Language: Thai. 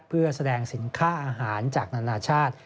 เพื่อแสดงสินค้าอาหารจากนานาชาติ